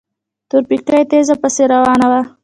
تورپيکۍ تېزه پسې روانه وه.